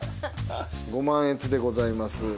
ご満悦でございます。